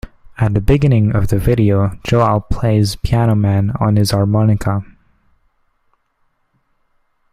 At the beginning of the video, Joel plays "Piano Man" on his harmonica.